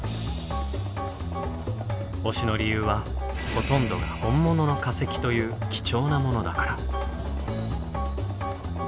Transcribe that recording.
推しの理由はほとんどが本物の化石という貴重なものだから。